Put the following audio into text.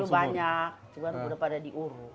belum banyak cuma sudah pada diuruh